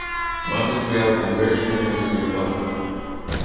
Мати стояла під вишнею та й собі плакала.